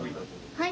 はい。